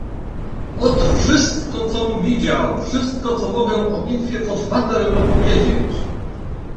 "Ot, wszystko, com widział, wszystko co mogę o bitwie pod Waterloo powiedzieć."